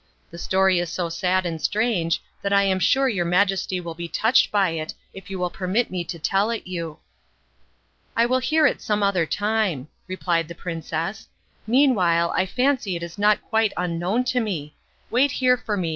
The story is so sad and strange that I am sure your Majesty will be touched by it if you will permit me to tell it you." "I will hear it some other time," replied the princess. "Meanwhile I fancy it is not quite unknown to me. Wait here for me.